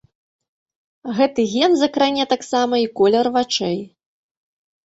Гэты ген закране таксама і колер вачэй.